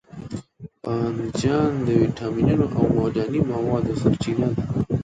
بانجان د ویټامینونو او معدني موادو سرچینه ده.